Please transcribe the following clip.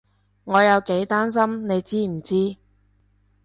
我有幾擔心你知唔知？